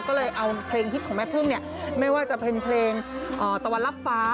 ก็เลยเอาเพลงฮิตของแม่พึ่งเนี่ยไม่ว่าจะเป็นเพลงตะวันรับฟ้า